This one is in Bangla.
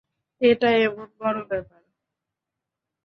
এটা এমন বড় ব্যাপার!